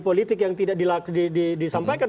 politik yang tidak disampaikan